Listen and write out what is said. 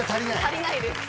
足りないです。